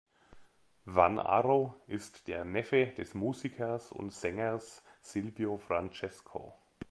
Van Aro ist der Neffe des Musikers und Sängers Silvio Francesco.